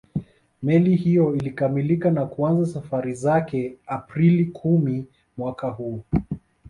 Meli hiyo ilikamilika na kuanza safari zake Aprili kumi mwaka huo